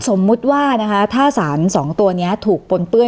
สมมุติว่านะคะถ้าสาร๒ตัวนี้ถูกปนเปื้อน